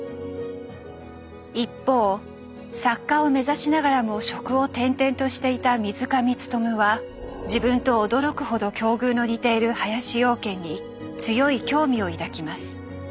一方作家を目指しながらも職を転々としていた水上勉は自分と驚くほど境遇の似ている林養賢に強い興味を抱きます。